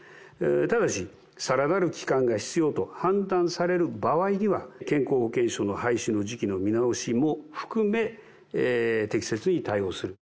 ただし、さらなる期間が必要と判断される場合には、健康保険証の廃止の時期の見直しも含め、適切に対応する。